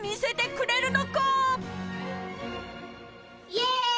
イェーイ！